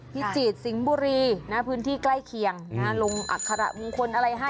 จิตสิงห์บุรีนะพื้นที่ใกล้เคียงลงอัคระมงคลอะไรให้